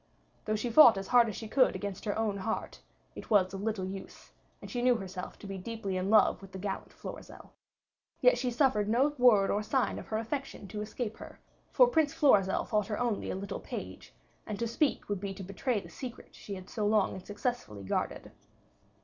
Though she fought as hard as she could against her own heart, it was of little use, and she knew herself to be deeply in love with the gallant Florizel. Yet she suffered no word or sign of her affection to escape her, for Prince Florizel thought her only a little page, and to speak would be to betray the secret she had so long and successfully guarded.